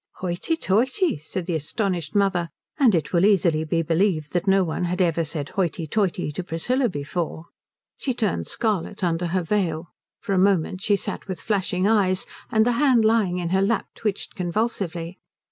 "Hoity toity," said the astonished mother; and it will easily be believed that no one had ever said hoity toity to Priscilla before. She turned scarlet under her veil. For a moment she sat with flashing eyes, and the hand lying in her lap twitched convulsively.